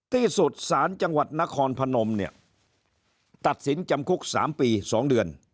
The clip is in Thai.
ที่สุดสารจังหวัดนครพนมเนี่ยตัดสินจำคุก๓ปี๒เดือน